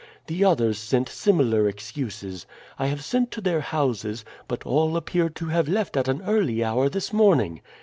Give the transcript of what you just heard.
The others sent similar excuses. I have sent to their houses, but all appear to have left at an early hour this morning.